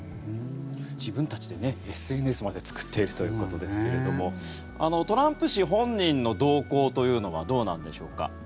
自分たちでＳＮＳまで作っているということですけどもトランプ氏本人の動向というのはどうなんでしょうか。